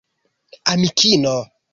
amikino